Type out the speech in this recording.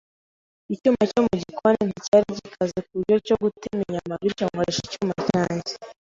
Icyuma cyo mu gikoni nticyari gikaze ku buryo cyo gutema inyama, bityo nkoresha icyuma cyanjye.